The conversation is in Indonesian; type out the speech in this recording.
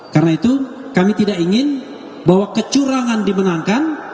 karena itu kami tidak ingin bahwa kecurangan dimenangkan